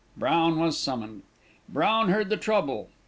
Brown was summoned. Brown heard the trouble.